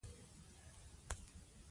د پښتو په ژبه یې ورسوو.